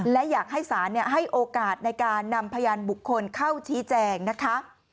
และอยากให้ศาลให้โอกาสในการนำพยานบุคคลเข้าชี้แจงนะคะ